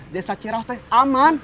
desa cerah tuh aman